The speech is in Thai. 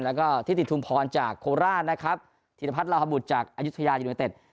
แล้วก็ที่ติดทุมพรจากโคราชนะครับถีนภัทรลาฮบุตจากอายุธยาจินวิเวรเต็ด